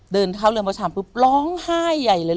เดินเข้าเรือนประชามปุ๊บร้องไห้ใหญ่เลย